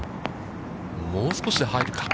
もう少しで入るか。